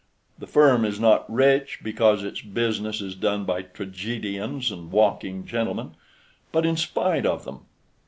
The firm is not rich because its business is done by tragedians and walking gentlemen, but in spite of them.